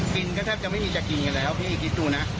กินก็แทบจะไม่มีจะกินกันแล้วพี่คิดดูนะ